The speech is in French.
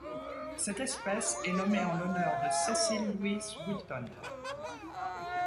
Cette espèce est nommée en l'honneur de Cecil Louis Wilton.